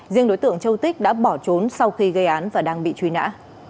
riêng đối tượng châu tích đã bỏ trốn sau khi gây án và đang bị truy nã